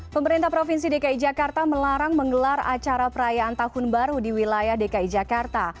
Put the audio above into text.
pemerintah provinsi dki jakarta melarang menggelar acara perayaan tahun baru di wilayah dki jakarta